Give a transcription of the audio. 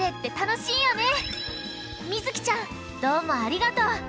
みずきちゃんどうもありがとう！